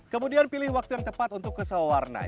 kemudian pilih waktu yang tepat untuk ke sawarna